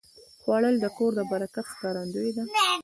خوړل د کور د برکت ښکارندویي ده